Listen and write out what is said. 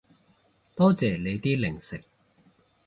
多謝你啲零食